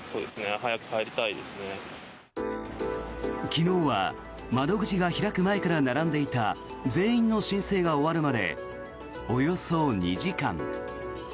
昨日は窓口が開く前から並んでいた全員の申請が終わるまでおよそ２時間。